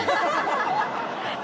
ハハハハ！